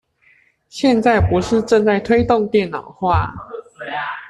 現在不是正在推動電腦化？